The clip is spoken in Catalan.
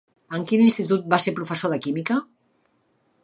En quin institut va ser professor de química?